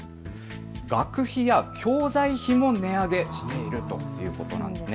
学費や教材費も値上げしているということなんです。